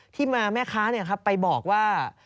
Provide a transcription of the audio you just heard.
ที่มาแม่ค้าไปบอกว่า